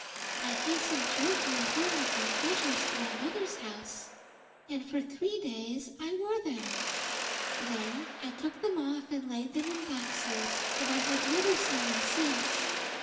I hastened joyfully home with my treasures to my mother's house, and for three days I wore them. Then I took them off and laid them in boxes, and I have never seen them since.